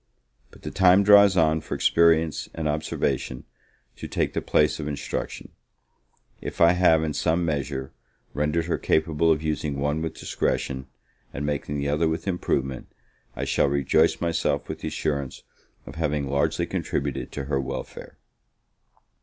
But the time draws on for experience and observation to take the place of instruction: if I have in some measure, rendered her capable of using one with discretion, and making the other with improvement, I shall rejoice myself with the assurance of having largely contributed to her welfare.